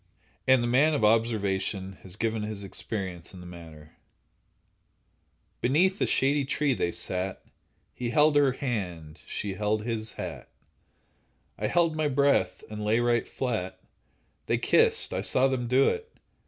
And the man of observation has given his experience in the matter: Beneath a shady tree they sat; He held her hand, she held his hat, I held my breath and lay right flat— They kissed—I saw them do it.